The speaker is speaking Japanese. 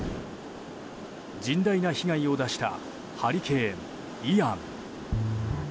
甚大な被害を出したハリケーン、イアン。